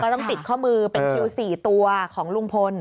ต้องติดข้อมือเป็นคิว๔ตัวของลุงพล